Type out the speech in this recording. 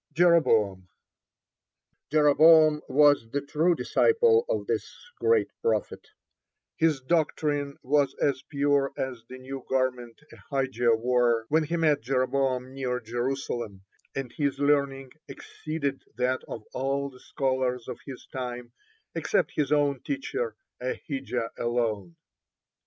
(5) JEROBOAM Jeroboam was the true disciple (6) of this great prophet, His doctrine was as pure as the new garment Ahijah wore when he met Jeroboam near Jerusalem, and his learning exceeded that of all the scholars of his time except his own teacher Ahijah alone.